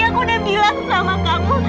aku udah bilang sama kamu